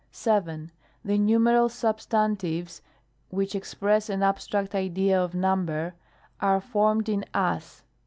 Y. The numeral substantives (which express an ab stract idea of number) are formed in ag.